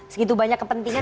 segitu banyak kepentingan